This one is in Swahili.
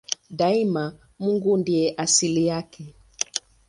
Daima Mungu ndiye asili yake.